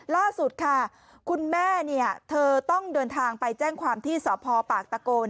ล่าสุดค่ะคุณแม่เธอต้องเดินทางไปแจ้งความที่สพปากตะโกน